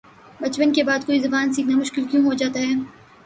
بچپن کے بعد کوئی زبان سیکھنا مشکل کیوں ہوجاتا ہے